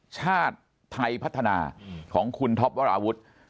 ชาติไทยพัฒนาของคุณท็อปวราวุฒิ